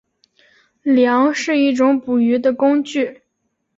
梁是一种捕鱼的工具。